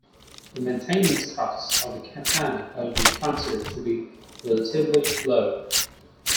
The maintenance costs of the Katana have been considered to be relatively low.